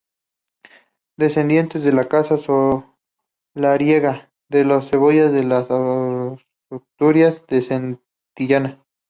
Descendiente de la casa solariega de los Ceballos en las Asturias de Santillana.